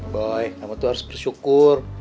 baik kamu tuh harus bersyukur